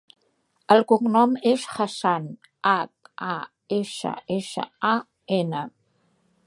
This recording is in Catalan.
El cognom és Hassan: hac, a, essa, essa, a, ena.